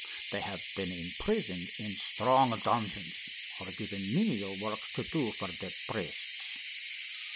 They have been imprisoned in strong dungeons, or given menial work to do for the priests.